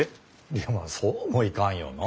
いやまあそうもいかんよなあ？